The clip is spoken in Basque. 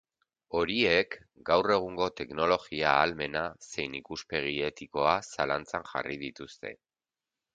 Horiek gaur egungo teknologia-ahalmena zein ikuspegi etikoa zalantzan jarri dituzte.